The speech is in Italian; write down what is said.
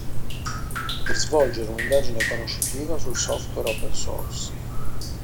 Per svolgere un'indagine conoscitiva sul software open source.